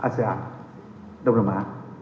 asean đông nam á